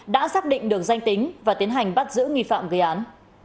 đã xác định được danh tính và tiến hành bắt giữ nghi phạm gây án